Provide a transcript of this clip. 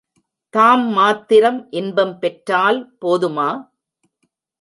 தாம் மாத்திரம் இன்பம் பெற்றால் போதுமா?